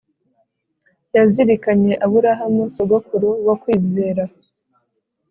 yazirikanye Aburahamu sogokuru wo kwizera